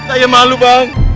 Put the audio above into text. ayah malu bang